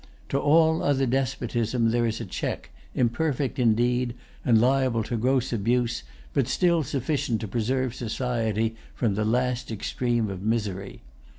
To all other despotism there is a check, imperfect indeed, and liable to gross abuse, but still sufficient to preserve society from the last extreme of misery.